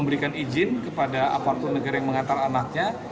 memberikan izin kepada aparatur negara yang mengantar anaknya